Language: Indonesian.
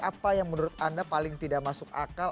apa yang menurut anda paling tidak masuk akal